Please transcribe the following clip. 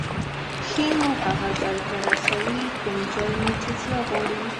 پښې مو هغه ځای ته رسوي کوم ځای مو چې زړه غواړي.